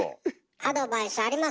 アドバイスありますか？